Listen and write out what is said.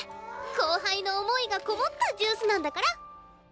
後輩の思いがこもったジュースなんだから！